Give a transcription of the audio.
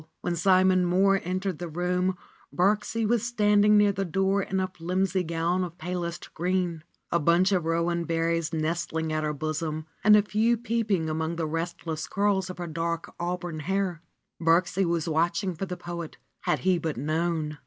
When Simon Mohr entered the room Birksie was standing near the door in a filmy gown of palest yellow, a bunch of rowan berries nestling at her bosom and a few peeping among the restless curls of her dark au burn hair. Birksie was watching for the poet, had he but known